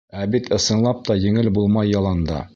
Ә бит ысынлап та еңел булмай яланда.